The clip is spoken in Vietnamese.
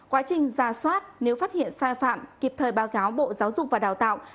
quá trình ra soát nếu phát hiện sai phạm kịp thời báo cáo bộ giáo dục và đào tạo